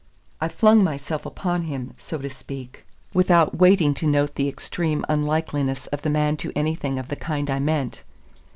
I flung myself upon him, so to speak, without waiting to note the extreme unlikeness of the man to anything of the kind I meant.